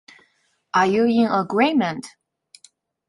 Are you in agreement?